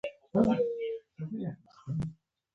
آیا کاناډا د څیړنې مرکزونه نلري؟